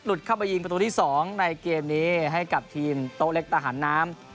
เข้าไปยิงประตูที่๒ในเกมนี้ให้กับทีมโต๊ะเล็กทหารน้ำ